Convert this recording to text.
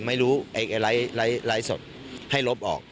ไม่รู้ให้ลบออก